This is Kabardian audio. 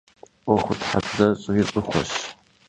'Uexuthebzeri ş'ıxueş.